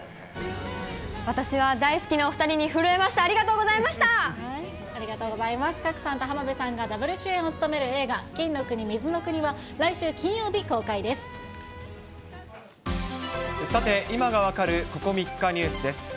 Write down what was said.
私は大好きなお２人に震えまありがとうございます、賀来さんと浜辺さんがダブル主演を務める映画、金の国水の国はさて、今がわかるここ３日ニュースです。